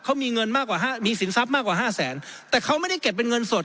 เขามีเงินมากกว่าห้ามีสินทรัพย์มากกว่าห้าแสนแต่เขาไม่ได้เก็บเป็นเงินสด